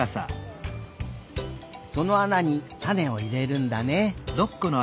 そのあなにたねをいれるんだね。